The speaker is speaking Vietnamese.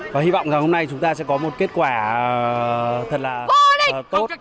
và hy vọng rằng hôm nay chúng ta sẽ có một kết quả thật là tốt để cho lượt bè